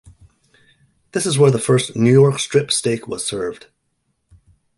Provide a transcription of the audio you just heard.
This is where the first "New York Strip" steak was served.